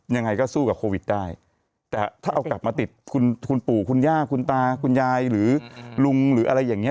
ยังไงก็สู้กับโควิดได้แต่ถ้าเอากลับมาติดคุณปู่คุณย่าคุณตาคุณยายหรือลุงหรืออะไรอย่างเงี้